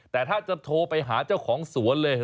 แต่ถ้าจะโทรไปหาเจ้าของสวนเลย